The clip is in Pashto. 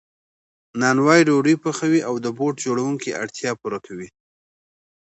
نانوای ډوډۍ پخوي او د بوټ جوړونکي اړتیا پوره کوي